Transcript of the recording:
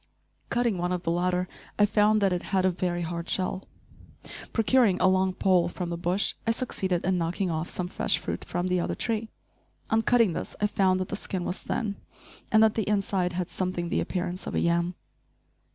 Cutting one of the latter, I found that it had a very hard shell. Procuring a long pole from the bush, I succeeded in knocking off some fresh fruit from the other tree. On cutting this I found that the skin was thin, and that the inside had something the appearance of a yam.